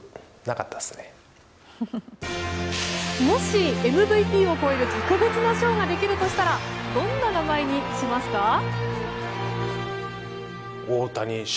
もし、ＭＶＰを超える特別な賞ができるとしたらどんな名前にしますか？